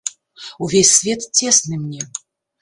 Увесь свет цесны мне.